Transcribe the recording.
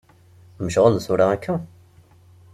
Mecɣuleḍ tura akka?